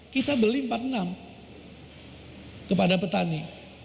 kita beli empat puluh enam kepada petani